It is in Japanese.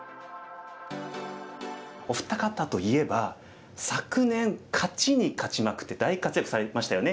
お二方といえば昨年勝ちに勝ちまくって大活躍されましたよね。